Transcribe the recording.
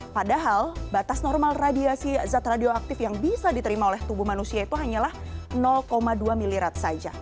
padahal batas normal radiasi zat radioaktif yang bisa diterima oleh tubuh manusia itu hanyalah dua milirat saja